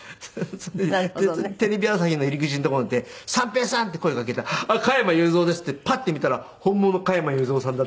テレビ朝日の入り口の所にいて「三平さん」って声かけたら「加山雄三です」ってパッて見たら本物の加山雄三さんだった。